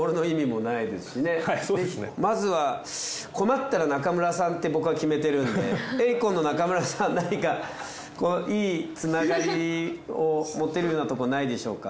まずは困ったら中村さんって僕は決めてるんでｅｉｉｃｏｎの中村さん何かいいつながりを持てるようなとこないでしょうか？